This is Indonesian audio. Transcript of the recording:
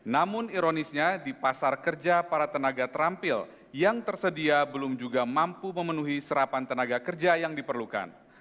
namun ironisnya di pasar kerja para tenaga terampil yang tersedia belum juga mampu memenuhi serapan tenaga kerja yang diperlukan